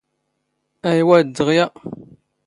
ⴰⵢⵡⴰ ⴷ ⴷⵖⵢⴰ.